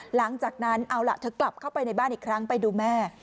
หลังจากนั้นเอาล่ะเธอกลับเข้าไปในบ้านอีกครั้งไปดูแม่